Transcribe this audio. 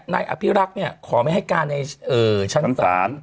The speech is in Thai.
นายอภิรักษ์เนี่ยขอไม่ให้การในชั้นศาล